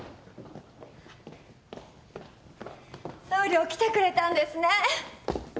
総領来てくれたんですね。